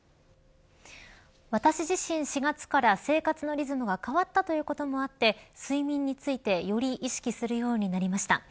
私自身、４月から生活のリズムが変わったということもあって睡眠についてより意識するようになりました。